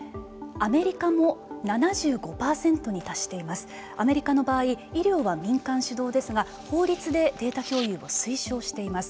アメリカの場合医療は民間主導ですが法律でデータ共有を推奨しています。